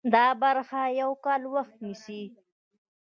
دا برخه یو کال وخت نیسي.